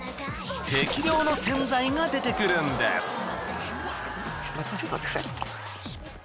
適量の洗剤が出てくるんです。